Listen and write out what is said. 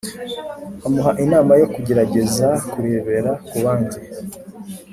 Amuha inama yo kugerageza kurebera kubandi